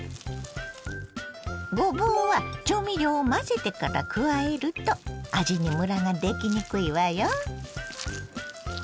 ごぼうは調味料を混ぜてから加えると味にムラができにくいわよ。